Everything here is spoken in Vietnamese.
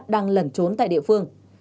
đang lẩn trốn tại địa phương